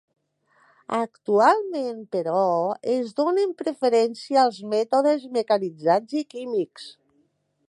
Actualment, però, es donen preferència als mètodes mecanitzats i químics.